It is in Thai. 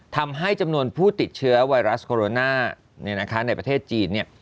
ทำให้จำนวนผู้ติดเชื้อไวรัสโคโรนาในประเทศจีน